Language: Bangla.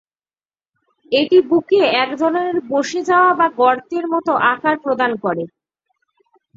এটি বুকে এক ধরনের বসে যাওয়া বা গর্তের মত আকার প্রদান করে।